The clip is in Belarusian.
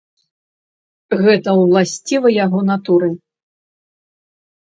Гэта ўласціва яго натуры.